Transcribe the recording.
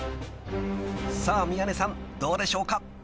［さあ宮根さんどうでしょうか？］